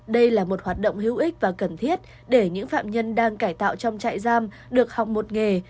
đây là một hoạt động hữu ích và cần thiết để những phạm nhân đang cải tạo trong trại giam được học một nghề